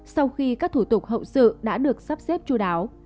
sau khi các thủ tục hậu sự đã được sắp xếp chú đáo